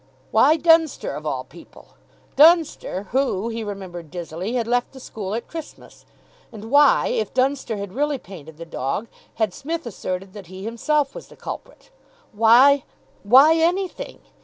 Why Dunster, of all people? Dunster, who, he remembered dizzily, had left the school at Christmas. And why, if Dunster had really painted the dog, had Psmith asserted that he himself was the culprit? Why why anything?